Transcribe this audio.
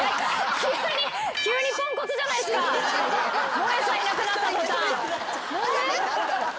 萌さんいなくなった途端。